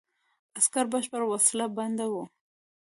عسکر بشپړ وسله بند وو.